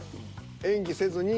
演技せずに。